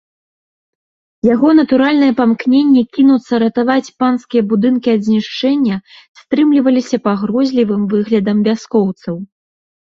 Яго натуральнае памкненне кінуцца ратаваць панскія будынкі ад знішчэння стрымліваліся пагрозлівым выглядам вяскоўцаў.